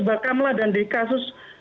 bahkamla dan di kasus